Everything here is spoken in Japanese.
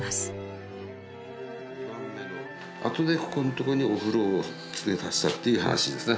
あとでここんとこにお風呂を付け足したって話ですね